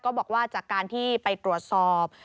บอกว่าจากการที่ไปตรวจสอบ